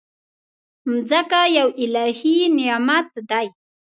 مځکه یو الهي نعمت دی.